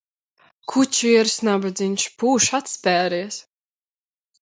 Kučieris, nabadziņš, pūš atspēries.